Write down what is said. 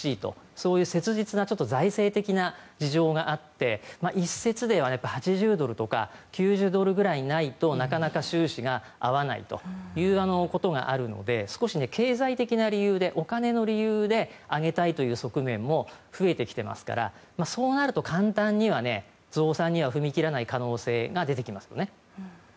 そういう切実な財政的な事情があって一説では８０ドルとか９０ドルくらいないとなかなか収支が合わないということがあるので少し経済的な理由でお金の理由で上げたいという側面も増えてきていますからそうなると簡単には増産には踏み切らない可能性が出てきますよね。